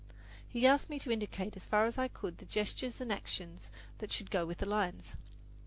He asked me to indicate as far as I could the gestures and action that should go with the lines.